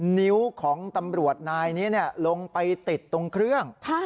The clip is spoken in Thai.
นิ้วของตำรวจนายนี้ลงไปติดตรงเครื่อง